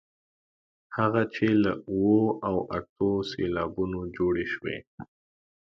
هغه چې له اوو او اتو سېلابونو جوړې شوې.